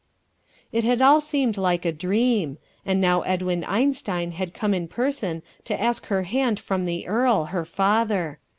It had all seemed like a dream: and now Edwin Einstein had come in person to ask her hand from the earl, her father.